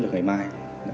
được ngày mai